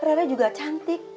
rere juga cantik